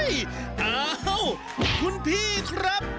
เอ้าคุณพี่ครับ